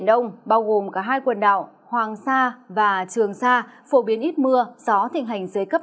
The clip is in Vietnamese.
biển đông bao gồm cả hai quần đảo hoàng sa và trường sa phổ biến ít mưa gió thịnh hành dưới cấp năm